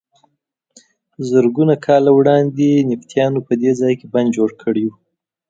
زرګونه کاله وړاندې نبطیانو په دې ځای کې بند جوړ کړی و.